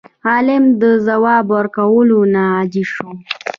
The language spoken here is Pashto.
عالم د ځواب ورکولو نه عاجز شو.